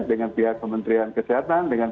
dengan pihak kementerian kesehatan dengan